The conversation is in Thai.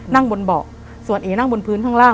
นั่งบนเบาะส่วนเอนั่งบนพื้นข้างล่าง